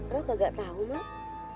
rob nggak tahu mak